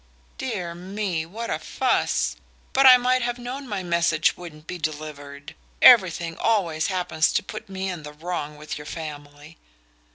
"Dear me! What a fuss! But I might have known my message wouldn't be delivered. Everything always happens to put me in the wrong with your family."